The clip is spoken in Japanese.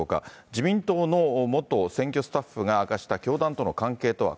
自民党の元選挙スタッフが明かした教団との関係とは。